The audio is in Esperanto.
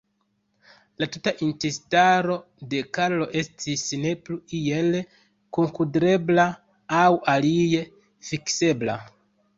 La tuta intestaro de Karlo estis ne plu iel kunkudrebla aŭ alie fiksebla.